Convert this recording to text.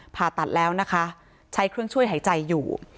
ผ่าตัดแล้วนะคะใช้เครื่องช่วยหายใจอยู่